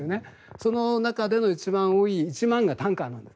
その中での一番多いのがタンカーなんです。